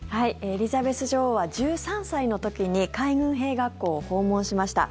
エリザベス女王は１３歳の時に海軍兵学校を訪問しました。